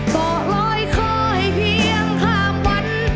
ต่อร้อยขอให้เพียงข้ามวัน